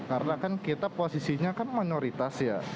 karena kan kita posisinya kan minoritas